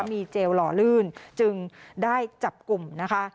มีเจลหล่อลื่นจึงได้จับกลุ่มนะคะ